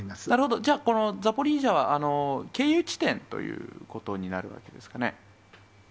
なるほど、じゃあ、このザポリージャは経由地点ということになるわけですかね？